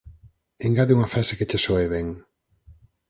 Engade unha frase que che soe ben.